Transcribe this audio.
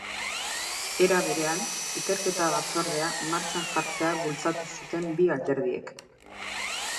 Era berean, ikerketa batzordea martxan jartzea bultzatu zuten bi alderdiek.